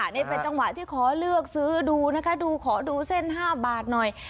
นี่เป็นจังหวะที่ขอเลือกซื้อดูนะคะดูขอดูเส้น๕บาทหน่อย